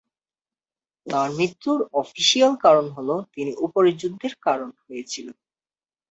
তাঁর মৃত্যুর অফিসিয়াল কারণ হ'ল তিনি উপরে যুদ্ধের কারণে হয়েছিলো।